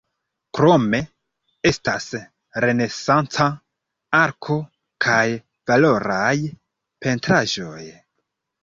Krome estas renesanca arko kaj valoraj pentraĵoj.